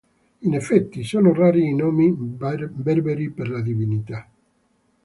In effetti sono rari i nomi berberi per la divinità.